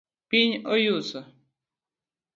Piny oyuso.